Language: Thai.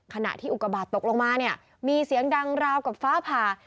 ขณะที่อุกบาทตกลงมาเนี่ยมีเสียงดังราวกับฟ้าผ่า